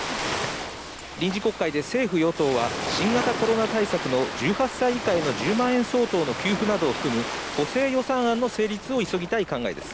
臨時国会で政府・与党は新型コロナ対策の１８歳以下への１０万円相当の給付などを含む補正予算案の成立を急ぎたい考えです。